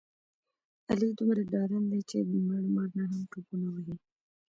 علي دومره ډارن انسان دی، چې مړه مار نه هم ټوپونه وهي.